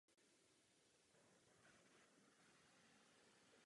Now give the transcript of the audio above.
Jakákoli jiná volba by Evropu připravila o samostatnost a soběstačnost.